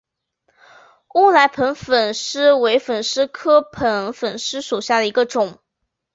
乌来棒粉虱为粉虱科棒粉虱属下的一个种。